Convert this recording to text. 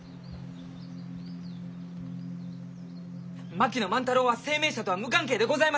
槙野万太郎は声明社とは無関係でございます！